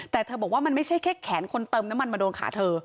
แต่เธอบอกว่ามันไม่ใช่แค่แขนคนเติมน้ำมันมาโดนขาเธอ